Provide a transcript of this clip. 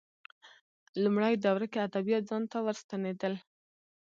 لومړۍ دوره کې ادبیات ځان ته ورستنېدل